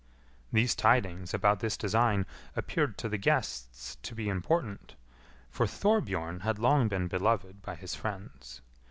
These tidings about this design appeared to the guests to be important, for Thorbjorn had long been beloved by his friends.